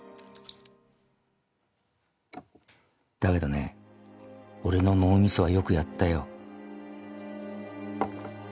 だけどね俺の脳みそはよくやったよ